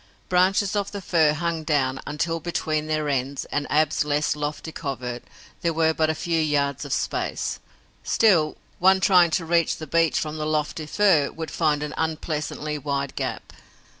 Branches of the fir hung down until between their ends and Ab's less lofty covert there were but a few yards of space. Still, one trying to reach the beech from the lofty fir would find an unpleasantly wide gap.